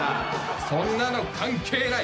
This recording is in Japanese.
そんなの関係ない！